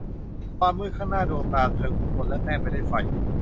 ความมืดข้างหน้าดวงตาเธอหมุนวนและแต้มไปด้วยไฟ